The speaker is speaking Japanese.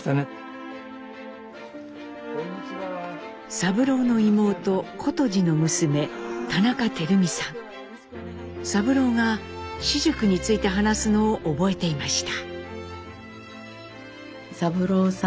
三郎の妹琴司の娘三郎が私塾について話すのを覚えていました。